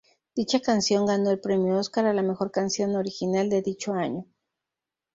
Dicha canción ganó el premio Óscar a la mejor canción original de dicho año.